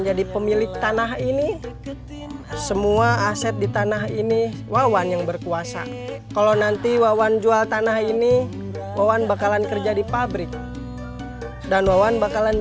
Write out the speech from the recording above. jadi guru atau karyawan